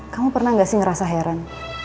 kamu pernah nggak sih ngerasa heran